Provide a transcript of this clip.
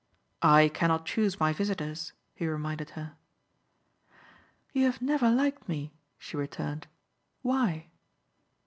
"I cannot choose my visitors," he reminded her. "You have never liked me," she returned, "Why?"